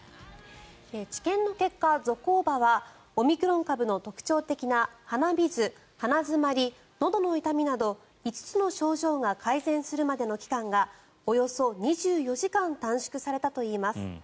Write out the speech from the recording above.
治験の結果、ゾコーバはオミクロン株の特徴的な鼻水・鼻詰まり、のどの痛みなど５つの症状が改善するまでの期間がおよそ２４時間短縮されたといいます。